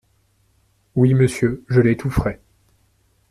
Oui, Monsieur, je l’étoufferais !…